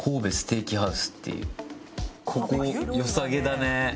ここ良さげだね。